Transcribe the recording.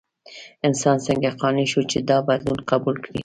انسان څنګه قانع شو چې دا بدلون قبول کړي؟